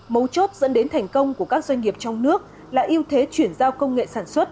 mấu chốt dẫn đến thành công của các doanh nghiệp trong nước là ưu thế chuyển giao công nghệ sản xuất